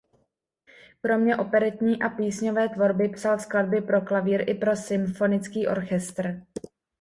Kromě operetní a písňové tvorby psal skladby pro klavír i pro symfonický orchestr.